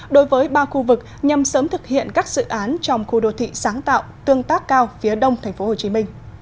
đối với ba khu vực nhằm sớm thực hiện các dự án trong khu đô thị sáng tạo tương tác cao phía đông tp hcm